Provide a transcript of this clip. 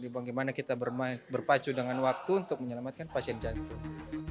bagaimana kita berpacu dengan waktu untuk menyelamatkan pasien jantung